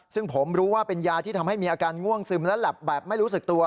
ซึ่งผมรู้ว่าเป็นยาที่ทำให้มีอาการง่วงซึมและหลับแบบไม่รู้สึกตัว